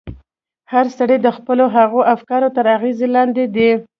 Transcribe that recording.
هر سړی د خپلو هغو افکارو تر اغېز لاندې دی.